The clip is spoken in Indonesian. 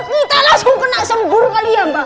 kita langsung kena sembur kali ya mbak